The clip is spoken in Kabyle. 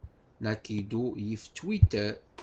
Nakido yif Twitter.